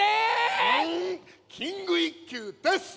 キング一休です！